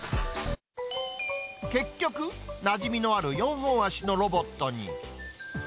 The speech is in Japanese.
結局、なじみのある４本足のロボットに。